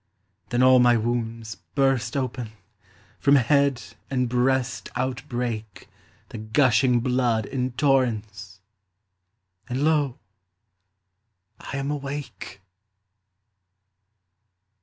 Then all my wounds burst open, From head and breast outbreak The gushing blood in torrents And lo, I am awake!